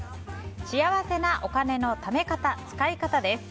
幸せなお金の貯め方・使い方です。